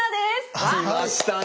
きましたね！